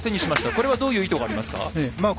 これはどういう意図がありますか？